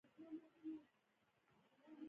د احمد او علي لانجه ده.